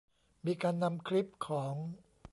มีการนำคลิปของ